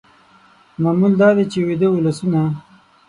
معمول دا دی چې ویده ولسونه